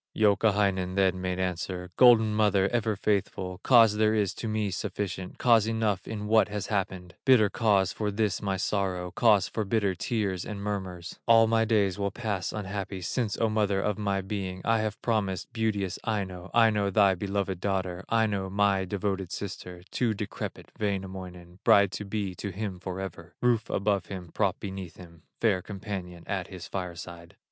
Youkahainen then made answer: "Golden mother, ever faithful, Cause there is to me sufficient, Cause enough in what has happened, Bitter cause for this my sorrow, Cause for bitter tears and murmurs: All my days will pass unhappy, Since, O mother of my being, I have promised beauteous Aino, Aino, thy beloved daughter, Aino, my devoted sister, To decrepit Wainamoinen, Bride to be to him forever, Roof above him, prop beneath him, Fair companion at his fire side."